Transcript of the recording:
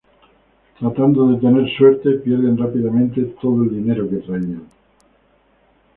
Tratando de tener suerte, pierden rápidamente todo el dinero que traían.